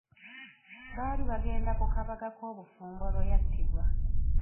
Baali bagenda ku kabaga k'obufumbo lwe yattibwa.